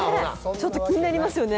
ちょっと気になりますよね。